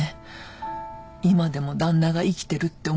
今でも旦那が生きてるって思い込んでる。